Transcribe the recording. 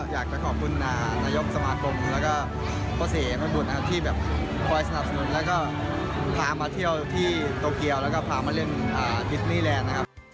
อยากจะขอบคุณนายกสมคมพ่อสี่ฮีประบุตรที่ดื่มมาสนับสนุนและพาเล่นดิสนิแลนด์